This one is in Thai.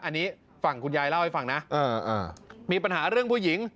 อันนี้ฝั่งคุณยายเล่าให้ฟังนะมีปัญหาเรื่องผู้หญิง